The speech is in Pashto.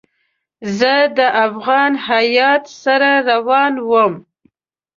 زه د افغان هیات سره روان وم.